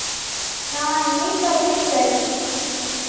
தான் நினைப்பதே சரி!